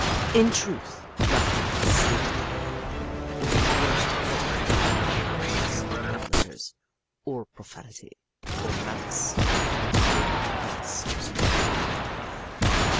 In truth, nothing was stated in them, in engrossed lettering, about courses in love letters, or profanity, or malice, and Albert Ross was not in the curriculum.